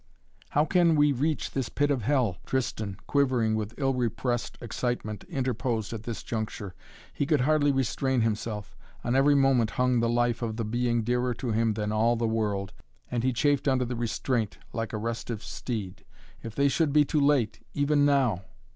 "How can we reach this pit of hell?" Tristan, quivering with ill repressed excitement interposed at this juncture. He could hardly restrain himself. On every moment hung the life of the being dearer to him than all the world, and he chafed under the restraint like a restive steed. If they should be too late, even now!